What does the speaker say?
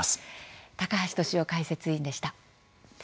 高橋俊雄解説委員でした。